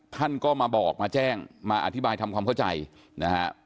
ท่านก็มาบอกมาแจ้งมาอธิบายทำความเข้าใจนะฮะ